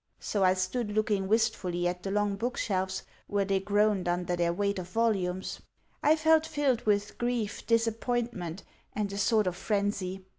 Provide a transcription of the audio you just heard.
So I stood looking wistfully at the long bookshelves where they groaned under their weight of volumes. I felt filled with grief, disappointment, and a sort of frenzy.